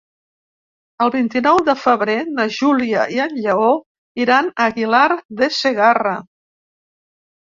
El vint-i-nou de febrer na Júlia i en Lleó iran a Aguilar de Segarra.